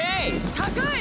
高い！